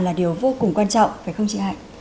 là điều vô cùng quan trọng phải không chị hạnh